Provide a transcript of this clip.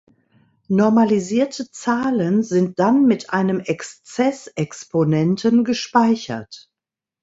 Normalisierte Zahlen sind dann mit einem Exzess-Exponenten gespeichert.